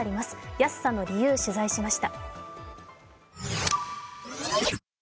安さの理由、取材しました。